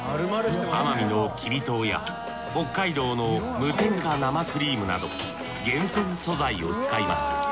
奄美のきび糖や北海道の無添加生クリームなど厳選素材を使います。